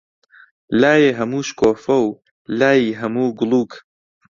لایێ هەموو شکۆفە و، لایی هەموو گوڵووک